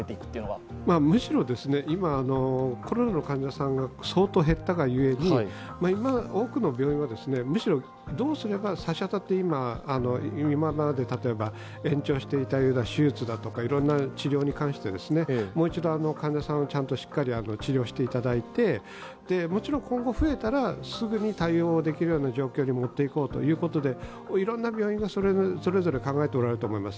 むしろ今コロナの患者さんが相当減ったが故に多くの病院は、どうすれば差し当たって今まで延長していたような手術だとかいろんな治療に関してもう一度患者さんをしっかり治療していただいてもちろん今後増えたら、すぐ対応できるような状況に持っていこうということでいろんな病院がそれぞれ考えておられると思います。